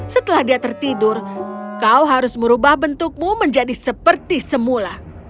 setelah dia tertidur kau harus merubah bentukmu menjadi seperti semula